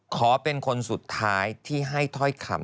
ขอเป็นคนสุดท้ายที่ให้ถ้อยคำ